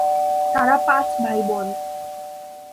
তারা পাঁচ ভাইবোন।